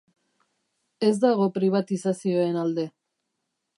Ez dago pribatizazioen alde.